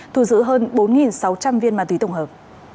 thu giữ hơn bốn sáu trăm linh viên ma túy tổng hợp